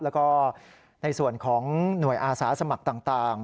แล้วก็ในส่วนของหน่วยอาสาสมัครต่าง